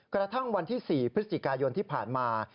กระทั่งวันที่๔พฤศจิกายนที่ผ่านมา